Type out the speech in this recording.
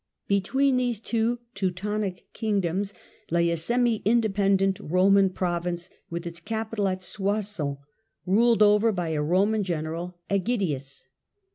Between these two Teu tonic kingdoms lay a semi independent Roman province with its capital at Soissons, ruled over by a Roman general, iEgidius.